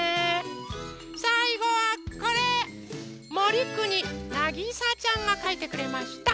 さいごはこれ！もりくになぎさちゃんがかいてくれました。